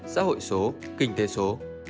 xã hội số kinh tế số